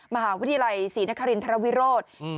มหาวิทยาลัยศรีนครินทรวิโรธ